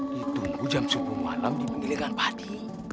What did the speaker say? ditunggu jam subuh malam di penggelingan padi